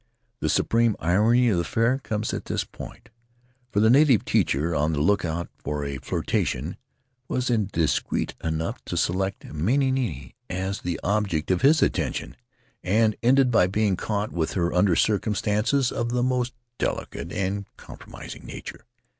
The supreme irony of the affair comes at this point, for the native teacher, on the lookout for a flirtation, was indiscreet enough to select Manini as the object of his attentions, and ended by being caught with her under circumstances of the most Faery Lands of the South Seas delicate and compromising nature.